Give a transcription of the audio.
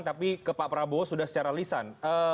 tapi ke pak prabowo sudah secara lisan